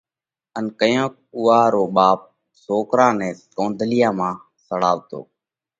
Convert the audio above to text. ان ڪيونڪ اُوئا رو ٻاپ سوڪرا نئہ ڪنڌولِيا مانه سڙاوَتو۔